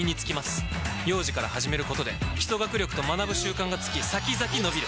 幼児から始めることで基礎学力と学ぶ習慣がつき先々のびる！